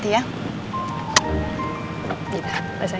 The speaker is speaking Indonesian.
iya baik sain